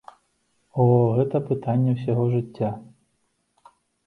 О, гэта пытанне ўсяго жыцця.